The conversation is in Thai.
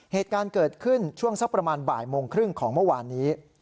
เหตุการณ์เกิดขึ้นช่วงสักประมาณบ่ายโมงครึ่งของเมื่อวานนี้